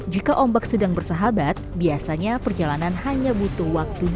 jika ombak sedang bersahabat biasanya perjalanan hanya butuh waktu dua puluh lima menit